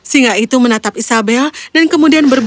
singa itu menatap isabel dan kemudian berbeda